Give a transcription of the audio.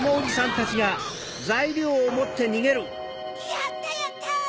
やったやった！